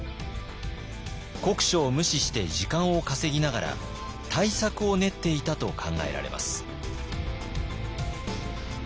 国書を無視して時間を稼ぎながら対策を練っていたと考えられます。